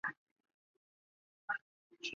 这时他记录了很多有关美国南部旱灾的照片。